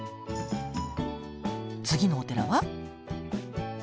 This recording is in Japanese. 次のお寺は？